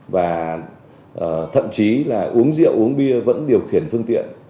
và thậm chí là uống rượu uống bia vẫn điều khiển phương tiện